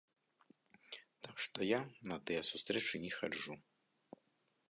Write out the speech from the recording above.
Так што я на тыя сустрэчы не хаджу.